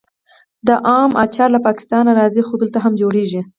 د ام اچار له پاکستان راځي خو دلته هم جوړیږي.